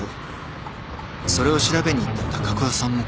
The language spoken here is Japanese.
それを調べに行った高桑さんも殺された。